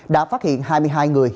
đã phát hiện hai mươi hai người